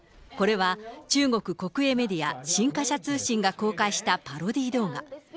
これは、中国国営メディア、新華社通信が公開したパロディー動画。